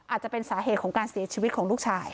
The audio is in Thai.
อาจจะเป็นสาเหตุของการเสียชีวิตของลูกชาย